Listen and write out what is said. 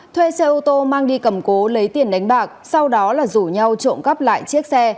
thuê xe ô tô mang đi cầm cố lấy tiền đánh bạc sau đó là rủ nhau trộm cắp lại chiếc xe